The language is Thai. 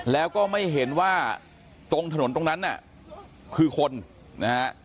แล้วก็ไม่เห็นว่าตรงถนนตรงนั้นน่ะคือคนนะฮะ